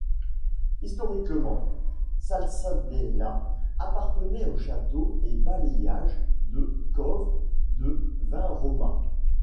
Historiquement, Salsadella appartenait au château et bailliage de Coves de Vinromà.